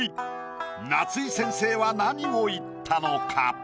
夏井先生は何を言ったのか？